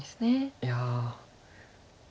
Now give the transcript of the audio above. いや。